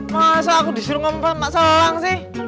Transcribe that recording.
masa aku disuruh ngomong sama selang sih